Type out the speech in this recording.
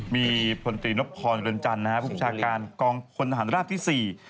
มีพลตรีนบคลเรือนจันทร์มุชาการกองประควรทหารราบที่๔